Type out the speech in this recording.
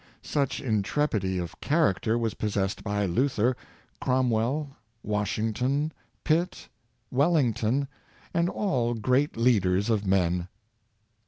Such intrepidity of character was possessed by Luther, Cromwell, Washington, Pitt, Wellington, and all great leaders of men.